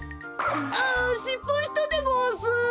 ああっしっぱいしたでごわす。